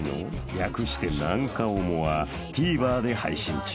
［略して『なんかオモ』はＴＶｅｒで配信中］